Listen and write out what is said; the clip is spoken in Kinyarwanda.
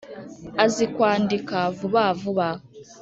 Azi kwandika vuba vuba